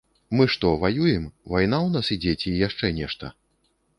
Мы што, ваюем, вайна ў нас ідзе ці яшчэ нешта?